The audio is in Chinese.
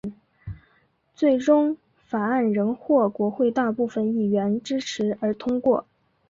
最终法案仍获国会大部份议员支持而通过。